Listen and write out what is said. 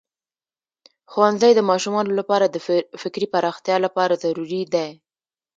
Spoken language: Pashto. ښوونځی د ماشومانو لپاره د فکري پراختیا لپاره ضروری دی.